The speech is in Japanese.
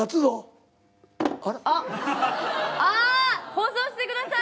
放送してください。